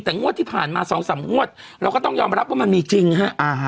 แต่งวดที่ผ่านมา๒๓งวดเราก็ต้องยอมรับว่ามันมีจริงฮะ